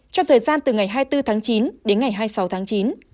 trong thời gian từ ngày hai mươi bốn tháng chín đến ngày hai mươi sáu tháng chín